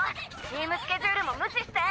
チームスケジュールも無視して！